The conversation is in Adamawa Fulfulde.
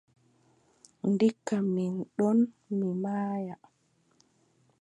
Ndikka min ɗon mi maaya.